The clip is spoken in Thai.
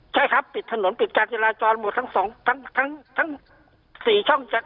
ใช่ครับปิดถนนปิดจาบเยลาจลหมดทั้ง๔ช่องใหญ่